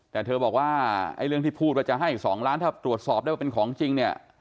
แต่เธอบอกว่าไอ้เรื่องที่พูดว่าจะให้๒ล้านถ้าตรวจสอบได้ว่าเป็นของจริงเนี่ย